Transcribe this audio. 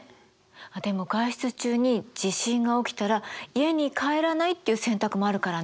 でも外出中に地震が起きたら家に帰らないっていう選択もあるからね。